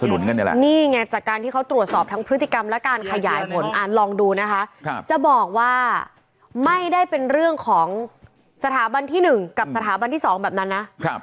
นี่ไงจากการที่เขาตรวจสอบทั้งพฤติกรรมและการขยายผลลองดูนะคะจะบอกว่าไม่ได้เป็นเรื่องของสถาบันที่๑กับสถาบันที่๒แบบนั้นนะ